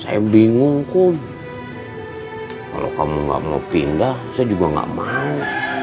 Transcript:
saya bingung kum kalau kamu gak mau pindah saya juga gak mau